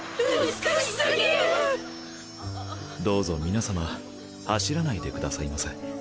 どうぞ皆様走らないでくださいませ。